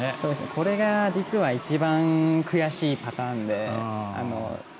これが実は一番、悔しいパターンで。